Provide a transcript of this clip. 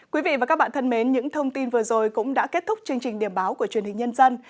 quý vị và các bạn thân mến những thông tin vừa rồi cũng đã kết thúc chương trình điểm báo của truyền hình nhân dân